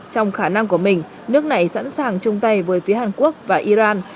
trong khả năng của mình nước này sẵn sàng chung tay với phía hàn quốc và iran